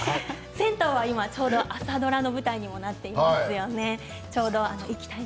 銭湯はちょうど朝ドラの舞台にもなっていますよね。